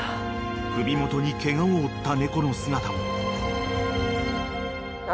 ［首元にケガを負った猫の姿も］